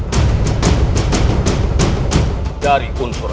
kau benar putra